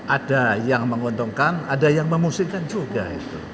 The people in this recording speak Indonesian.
ada yang menguntungkan ada yang memusingkan juga